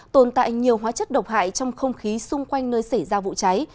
tồn tại nhiều hóa chất độc hại trong không khí xung quanh nơi xảy ra vụ cháy